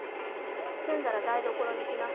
済んだら台所に来な。